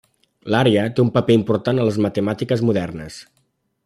L'àrea té un paper important en les matemàtiques modernes.